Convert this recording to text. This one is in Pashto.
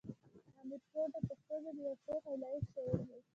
امیر کروړ د پښتو ژبې یو پوه او لایق شاعر و.